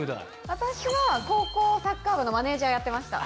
私は高校サッカー部のマネージャーやってました。